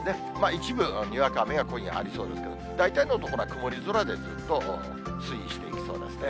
一部にわか雨が今夜ありそうですけれども、大体曇り空で、ずっと推移していきそうですね。